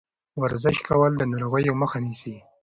ورزش کول د ناروغیو مخه نیسي.